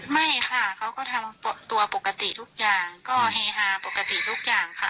ไม่ค่ะเขาก็ทำตัวปกติทุกอย่างก็เฮฮาปกติทุกอย่างค่ะ